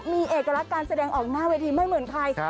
มีเอกลักษณ์การแสดงออกหน้าเวทีไม่เหมือนใคร